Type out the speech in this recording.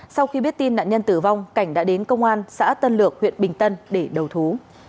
sau khi biết tin nạn nhân tử vong cảnh đã đến công an xã tân lược huyện bình tân để đầu thú